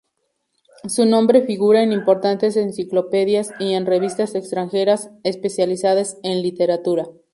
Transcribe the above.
Su nombre figura en importantes enciclopedias, y en revistas extranjeras, especializadas en literatura.